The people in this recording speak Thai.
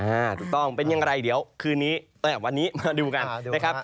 อ่าถูกต้องเป็นอย่างไรเดี๋ยวคืนนี้ตอนนี้มาดูกันนะครับ